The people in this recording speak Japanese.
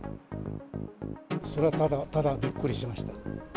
それはただただびっくりしました。